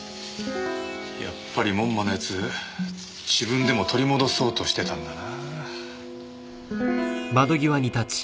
やっぱり門馬のやつ自分でも取り戻そうとしてたんだな。